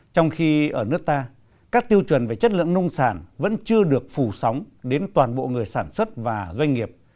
trong khi ở nước ta các tiêu chuẩn về chất lượng nông sản vẫn chưa được phủ sóng đến toàn bộ người sản xuất và doanh nghiệp